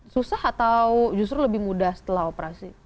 susah atau justru lebih mudah